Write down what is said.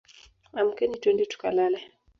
Amkeni twende tukalale